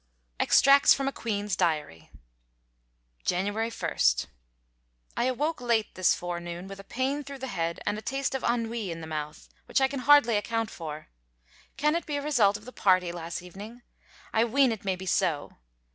Extracts from a Queen's Diary. January 1. I awoke late this forenoon with a pain through the head and a taste of ennui in the mouth, which I can hardly account for. Can it be a result of the party last evening? I ween it may be so.